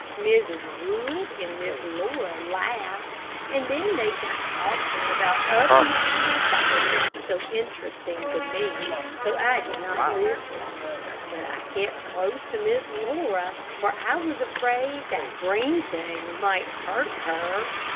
Mrs. Wood and Miss Laura laughed, and then they got talking about other matters that were not interesting to me, so I did not listen. But I kept close to Miss Laura, for I was afraid that green thing might hurt her.